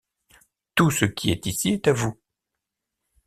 Tout ce qui est ici est à vous.